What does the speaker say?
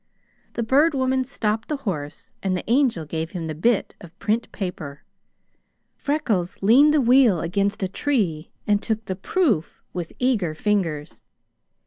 The Bird Woman stopped the horse and the Angel gave him the bit of print paper. Freckles leaned the wheel against a tree and took the proof with eager fingers.